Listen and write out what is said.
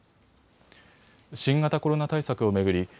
新型コロナ対策を巡り